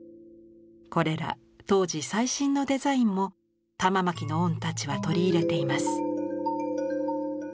これら当時最新のデザインも玉纏御太刀は取り入れています。